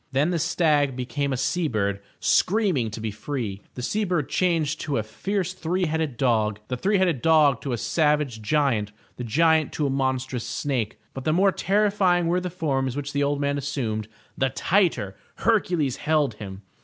Then the stag be came a sea bird screaming to be free, the sea bird changed to a fierce three headed dog, the three headed dog to a savage giant, the giant to a monstrous snake. But the more terrifying were the forms which the old man assumed, the tighter Hercules held him.